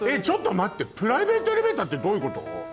ちょっと待ってプライベートエレベーターってどういうこと？